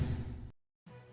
nih mas suratu rahmi ya